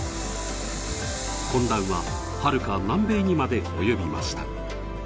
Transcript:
混乱は、はるか南米にまで及びました。